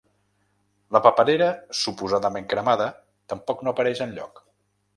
La paperera suposadament cremada tampoc no apareix enlloc.